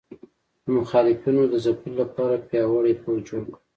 د مخالفینو د ځپلو لپاره پیاوړی پوځ جوړ کړ.